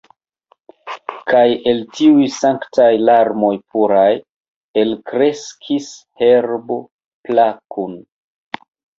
Kaj el tiuj sanktaj larmoj puraj elkreskis herbo plakun.